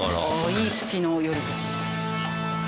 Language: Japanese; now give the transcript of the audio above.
いい月の夜ですね。